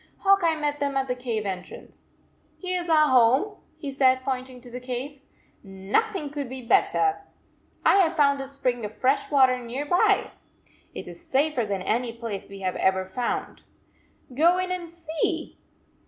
Hawk Eye met them at the cave entrance. Here s our home, he said, point ing to the cave. " Nothing could be better. I have found a spring of fresh water near 123 by! It is safer than any place we have ever found. Go in and see!"